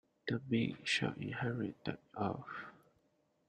The meek shall inherit the earth.